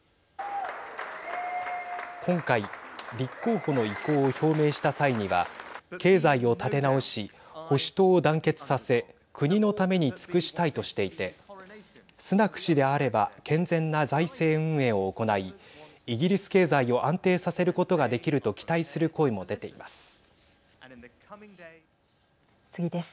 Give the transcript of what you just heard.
今回、立候補の意向を表明した際には経済を立て直し保守党を団結させ、国のために尽くしたいとしていてスナク氏であれば健全な財政運営を行いイギリス経済を安定させることができると期待する声も出ています。